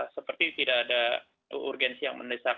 seperti tidak ada urgensi yang mendesak